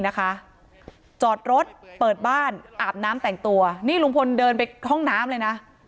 จอดรถเปิดบ้านอาบน้ำแต่งตัวนี่ลุงพลเดินไปห้องน้ำเลยนะ